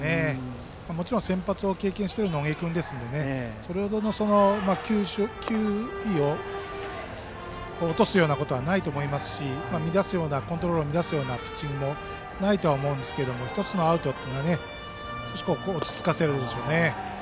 もちろん先発を経験してる野下君ですのでそれほどの球威を落とすようなことはないと思いますしコントロールを乱すようなピッチングもないと思いますが１つのアウトというのが少し落ち着かせるでしょうね。